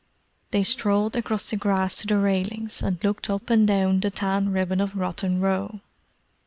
They strolled across the grass to the railings, and looked up and down the tan ribbon of Rotten Row.